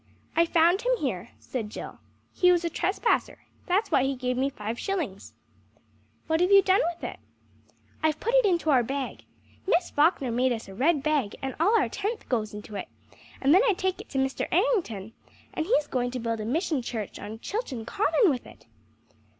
"I found him here," said Jill. "He was a trespasser. That's why he gave me five shillings." "What have you done with it?" "I've put it into our bag. Miss Falkner made us a red bag and all our tenth goes into it, and then I take it to Mr. Errington, and he's going to build a mission church on Chilton Common with it!"